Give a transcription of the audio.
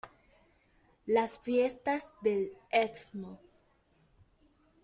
Las fiestas del Stmo.